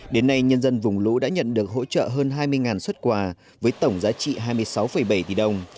đến nay nhân dân vùng lũ đã nhận được hỗ trợ hơn hai mươi xuất quà với tổng giá trị hai mươi sáu bảy tỷ đồng